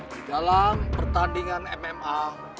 di dalam pertandingan mma